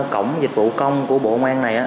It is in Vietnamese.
cổng dịch vụ công của bộ công an này